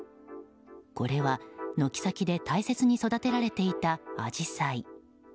これは軒先で大切に育てられていたアジサイ。